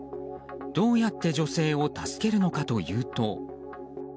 どうやって女性を助けるのかというと。